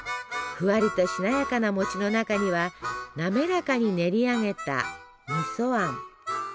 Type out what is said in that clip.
ふわりとしなやかな餅の中にはなめらかに練り上げたみそあん。